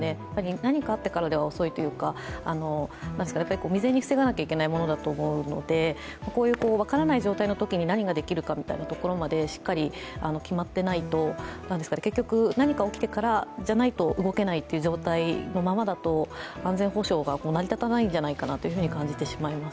何かあってからでは遅いというか、未然に防がなきゃいけないものだと思うので、こういう分からない状態のときに何ができるかまでしっかり決まっていないと、結局、何か起きてからじゃないと動けないという状態のままだと安全保障が成り立たないんじゃないかと感じてしまいます。